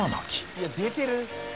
いや出てる！